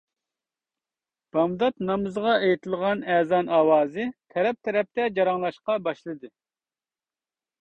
بامدات نامىزىغا ئېيتىلغان ئەزان ئاۋازى تەرەپ-تەرەپتە جاراڭلاشقا باشلىدى.